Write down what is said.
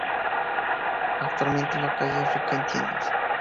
Actualmente, la calle es rica en tiendas.